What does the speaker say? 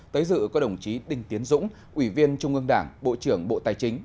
tới dự có đồng chí đinh tiến dũng ủy viên trung ương đảng bộ trưởng bộ tài chính